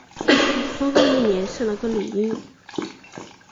婚后一年生了个女婴